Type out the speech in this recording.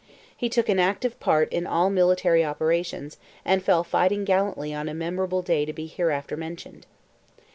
He took an active part in all military operations, and fell fighting gallantly on a memorable day to be hereafter mentioned.